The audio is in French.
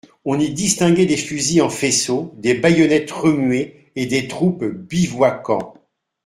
On y distinguait des fusils en faisceaux, des bayonnettes remuées et des troupes bivouaquant.